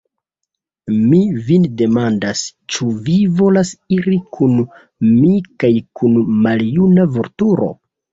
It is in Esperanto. Mi vin demandas, ĉu vi volas iri kun mi kaj kun maljuna Vulturo?